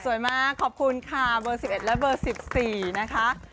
มากขอบคุณค่ะเบอร์๑๑และเบอร์๑๔นะคะ